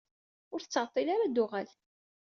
Ur tettɛeṭṭil ara ad d-tuɣal.